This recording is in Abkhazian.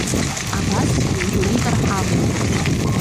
Абас ҩажәа литр ҳамоуп.